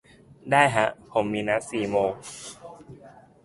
ได้ฮะ ผมมีนัดสี่โมง